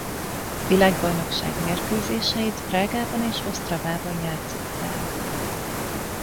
A világbajnokság mérkőzéseit Prágában és Ostravában játszották.